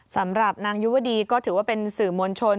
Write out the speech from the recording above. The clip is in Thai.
สำหรับนางยุวดีก็ถือว่าเป็นสื่อมวลชน